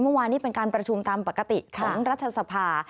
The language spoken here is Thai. เมื่อวานนี้เป็นการประชุมตามปกติของรัฐสภา